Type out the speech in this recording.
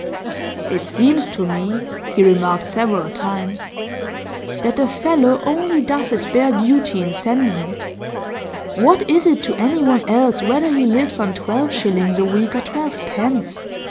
'It seems to me,' he remarked several times, 'that the fellow only does his bare duty in sending it. What is it to anyone else whether he lives on twelve shillings a week or twelve pence?